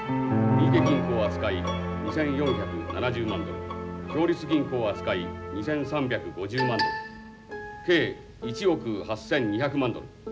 三池銀行扱い２，４７０万ドル共立銀行扱い２，３５０万ドル計１億８，２００万ドル。